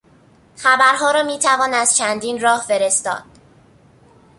خبرها را میتوان از چندین راه فرستاد.